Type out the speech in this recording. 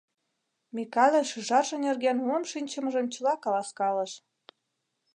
Микале шӱжарже нерген мом шинчымыжым чыла каласкалыш.